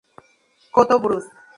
Coto Brus.